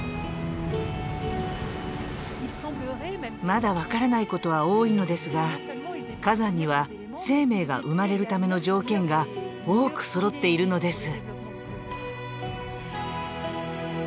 まだ分からないことは多いのですが火山には生命が生まれるための条件が多くそろっているのです。